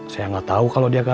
saya gak tau kalau dia ke ktm